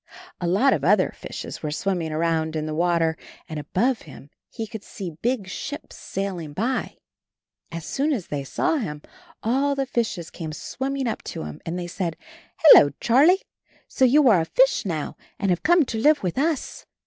A lot of other fishes were swimming around in the water, and above him he could see big ships sailing by. As soon as they saw him, all the fishes came swimming up to him, and they said, "Hello, Charlie! So you are a fish now, and have come to live with us.